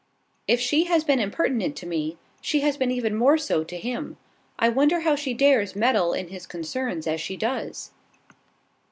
If she has been impertinent to me, she has been even more so to him. I wonder how she dares meddle in his concerns as she does."